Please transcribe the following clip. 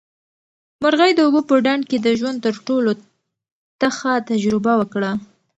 مرغۍ د اوبو په ډنډ کې د ژوند تر ټولو تخه تجربه وکړه.